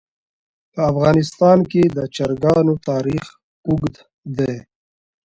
په افغانستان کې د چرګانو تاریخ اوږد دی.